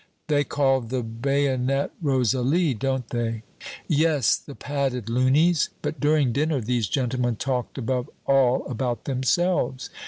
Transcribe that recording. "They call the bayonet Rosalie, don't they?" "Yes, the padded luneys. But during dinner these gentlemen talked above all about themselves.